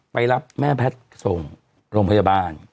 รับแม่แพทย์ส่งโรงพยาบาล